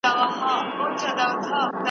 موږ د خپلو تېرو لیکوالو په اثارو ویاړو.